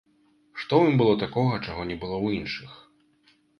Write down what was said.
Што ў ім было такога, чаго не было ў іншых?